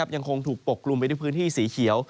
ยังคงถูกปกกลุ่มไปด้วยพื้นที่สีเขียว